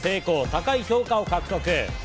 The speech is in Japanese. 高い評価を獲得。